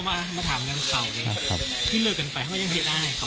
อ๋อมามาถามเรื่องเขาเนี้ยครับครับที่เลิกกันไปเขายังเฮ็ดหน้าให้เขา